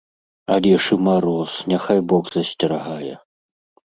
Але ж і мароз, няхай бог засцерагае!